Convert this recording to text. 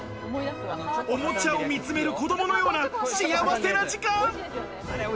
おもちゃを見つめる子供のような幸せな時間。